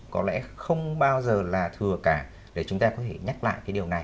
có lẽ không bao giờ là thừa cả để chúng ta có thể nhắc lại cái điều này